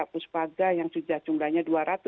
pusbaga yang sudah jumlahnya dua ratus empat puluh lima